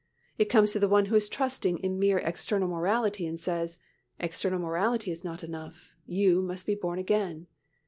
It comes to the one who is trusting in mere external morality, and says, "External morality is not enough, you must be born again."